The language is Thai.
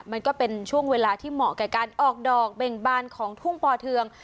มันก็เป็นช่วงเวลาที่เหมาะกับการออกดอกเบ่งบานของทุ่งป่อเทือง